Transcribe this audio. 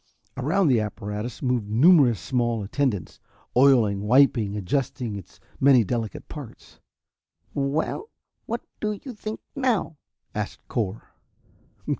Around the apparatus moved numerous small attendants, oiling, wiping, adjusting its many delicate parts. "Well, what do you think now?" asked Cor.